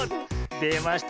でました。